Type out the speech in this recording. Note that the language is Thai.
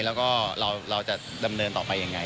แล้วก็เราจะดำเนินต่อไปยังไง